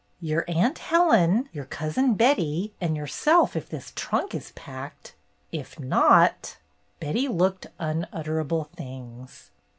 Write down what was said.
"Your Aunt Helen, your Cousin Betty, and yourself if this trunk is packed. If not —" Betty looked unutterable things.